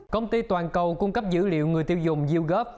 công ty toàn cầu cung cấp dữ liệu người tiêu dùng yougov